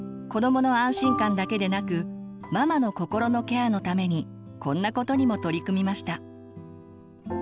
子どもの安心感だけでなくママの心のケアのためにこんなことにも取り組みました。